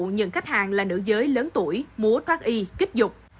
những khách hàng là nữ giới lớn tuổi múa thoát y kích dục